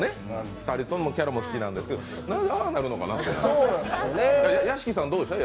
二人のキャラも好きなんですけどなぜ、ああなるのかなというのが。